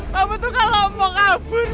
kamu tuh kalau mau ngabun